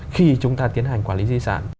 khi chúng ta tiến hành quản lý di sản